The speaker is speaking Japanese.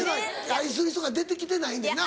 愛する人が出てきてないねんな。